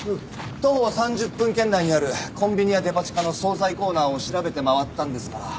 徒歩３０分圏内にあるコンビニやデパ地下の惣菜コーナーを調べて回ったんですが。